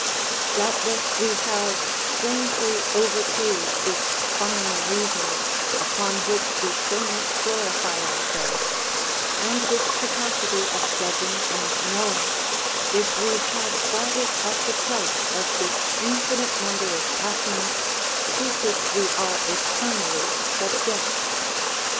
Doubtless, we have strangely overpaid this fine reason, upon which we so much glorify ourselves, and this capacity of judging and knowing, if we have bought it at the price of this infinite number of passions to which we are eternally subject.